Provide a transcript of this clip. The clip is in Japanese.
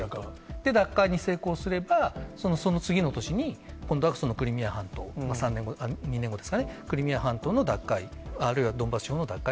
奪還に成功すれば、その次の年に今度はクリミア半島、３年後、２年後ですかね、クリミア半島の奪回、あるいはドンバス地方の奪回。